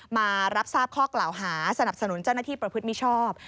มารับทราบข้อกล่าวหาสนับสนุนเจ้าหน้าที่ประพฤติมิชชอบ